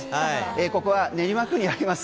ここは練馬区にあります